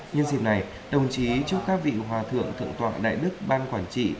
nhân dịp này đồng chí chúc các vị hòa thượng thượng tọa đại đức ban quản trị